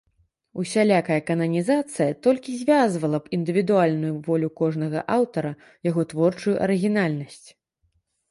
Усялякая кананізацыя толькі звязвала б індывідуальную волю кожнага аўтара, яго творчую арыгінальнасць.